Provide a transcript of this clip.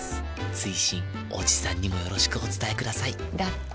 追伸おじさんにもよろしくお伝えくださいだって。